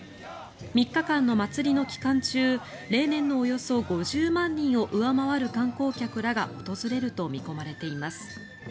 ３日間の祭りの期間中例年のおよそ５０万人を上回る観光客らが訪れると見込まれています。